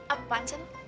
apaan sih ini